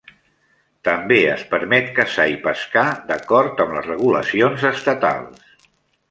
També es permet caçar i pescar d'acord amb les regulacions estatals.